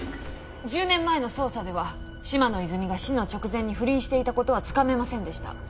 １０年前の捜査では嶋野泉水が死の直前に不倫していた事はつかめませんでした。